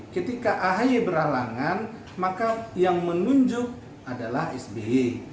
ketua umum berhalangan di sby jadi sby